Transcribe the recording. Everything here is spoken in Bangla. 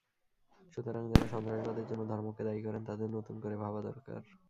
সুতরাং, যাঁরা সন্ত্রাসবাদের জন্য ধর্মকে দায়ী করেন, তাঁদের নতুন করে ভাবা দরকার।